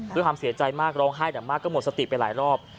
ด้วยความเสียใจมากร้องไห้แต่มากก็หมดสติไปหลายรอบ